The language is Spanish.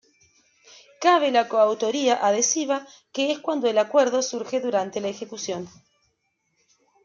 Cabe la coautoría adhesiva que es cuando el acuerdo surge durante la ejecución.